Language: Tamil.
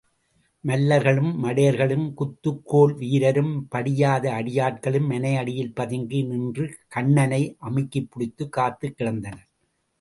மல்லர்களும், மடையர்களும், குத்துக்கோல் வீரரும், படியாத அடியாட்களும் மனை அடியில் பதுங்கி நின்று கண்ணனை அமுக்கிப்பிடிக்கக் காத்துக் கிடந்தனர்.